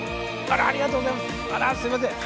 あらすいません。